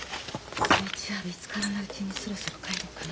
そいじゃ見つからないうちにそろそろ帰ろうかな。